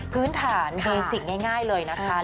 พื้นฐานเมซิกง่ายเลยนะคะ